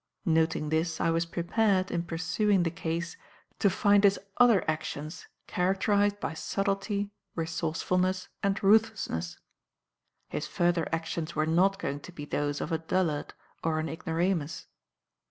Noting this, I was prepared, in pursuing the case, to find his other actions characterized by subtlety, resourcefulness and ruthlessness. His further actions were not going to be those of a dullard or an ignoramus.